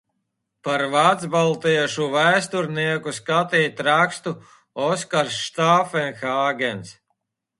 Par vācbaltiešu vēsturnieku skatīt rakstu Oskars Štāfenhāgens.